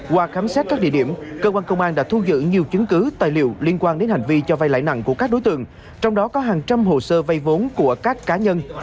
qua khám xét các địa điểm cơ quan công an đã thu giữ nhiều chứng cứ tài liệu liên quan đến hành vi cho vay lãi nặng của các đối tượng trong đó có hàng trăm hồ sơ vay vốn của các cá nhân